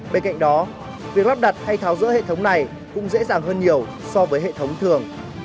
bên cạnh đó việc lắp đặt hay tháo rỡ hệ thống này cũng dễ dàng hơn nhiều so với hệ thống thường